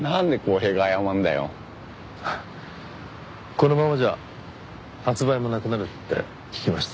このままじゃ発売もなくなるって聞きました。